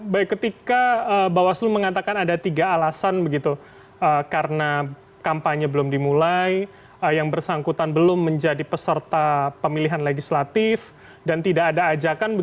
baik ketika bawaslu mengatakan ada tiga alasan begitu karena kampanye belum dimulai yang bersangkutan belum menjadi peserta pemilihan legislatif dan tidak ada ajakan